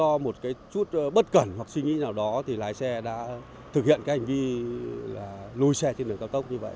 do một cái chút bất cẩn hoặc suy nghĩ nào đó thì lái xe đã thực hiện cái hành vi lùi xe trên đường cao tốc như vậy